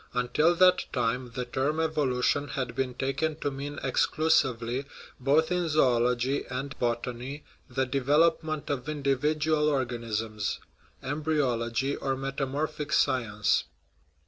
Until that time the term "evolution" had been taken to mean exclusively, both in zoology and botany, the development of indi vidual organisms embryology, or metamorphic sci ence.